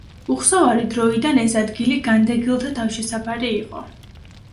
უხსოვარი დროიდან ეს ადგილი განდეგილთა თავშესაფარი იყო.